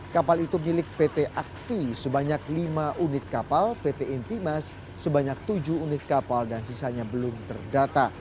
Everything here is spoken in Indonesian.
kapal itu milik pt akfi sebanyak lima unit kapal pt intimas sebanyak tujuh unit kapal dan sisanya belum terdata